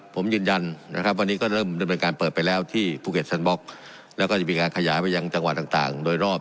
ผมยืนยันนะครับวันนี้ก็เริ่มดำเนินการเปิดไปแล้วที่ภูเก็ตแซนบล็อกแล้วก็จะมีการขยายไปยังจังหวัดต่างโดยรอบ